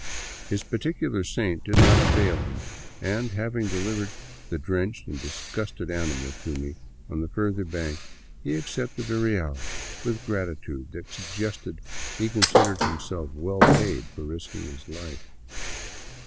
His particular saint did not fail him and, having delivered the drenched and disgusted animal to me on the further bank, he accepted a real with a gratitude that suggested he con sidered himself well paid for risking his life.